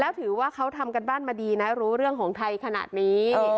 แล้วถือว่าเขาทำการบ้านมาดีนะรู้เรื่องของไทยขนาดนี้